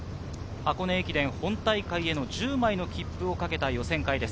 箱根駅伝本大会への１０枚の切符を懸けた予選会です。